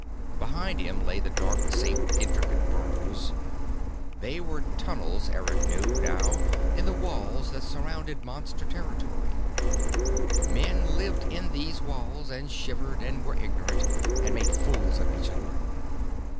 Behind him lay the dark, safe, intricate burrows. They were tunnels, Eric knew now, in the walls that surrounded Monster territory. Men lived in these walls, and shivered, and were ignorant, and made fools of each other.